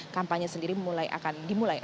kampanye sendiri mulai akan dimulai